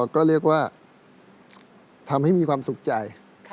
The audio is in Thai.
ก็เรียกว่าทำให้มีความสุขใจ